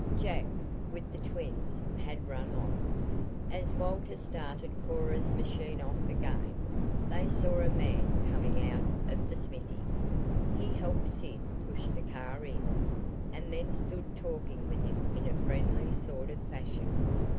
Jack, with the twins, had run on. As Walter started Cora's machine off again, they saw a man coming out of the smithy. He helped Sid push the car in, and then stood talking with him in a friendly sort of fashion.